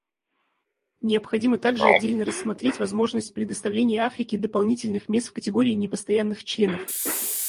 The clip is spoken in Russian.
Необходимо также отдельно рассмотреть возможность предоставления Африке дополнительных мест в категории непостоянных членов.